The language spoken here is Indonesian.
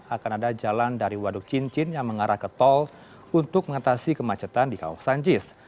akan ada jalan dari waduk cincin yang mengarah ke tol untuk mengatasi kemacetan di kawasan jis